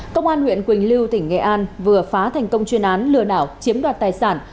công an huyện quỳnh lưu tỉnh nghệ an vừa phá thành công chuyên án lừa đảo chiếm đoạt tài sản